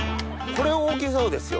これ大きそうですよ。